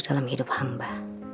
dalam hidup hamba